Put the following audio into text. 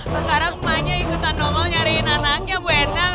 sekarang emaknya ikutan nomel nyariin anaknya bu endang